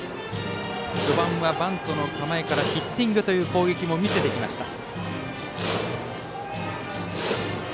序盤はバントの構えからヒッティングという攻撃も見せてきました。